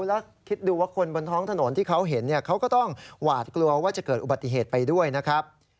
แล้วคิดดูว่าคนบนท้องถนนที่เขาเห็นเขาก็ต้องหวาดกลัวว่าจะเกิดอุบัติเหตุไปด้วยนะครับ